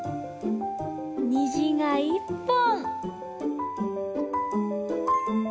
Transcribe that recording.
にじが一本！